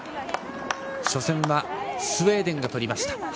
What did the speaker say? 初戦はスウェーデンが取りました。